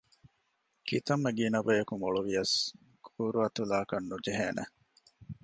ކިތަންމެ ގިނަ ބަޔަކު މޮޅުވިޔަސް ގުރުއަތުލާކަށް ނުޖެހޭނެ